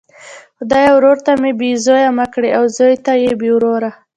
خدایه ورور ته مي بې زویه مه کړې او زوی ته بې وروره!